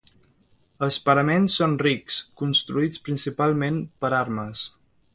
Els paraments són rics, constituïts, principalment, per armes.